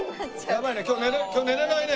やばいね。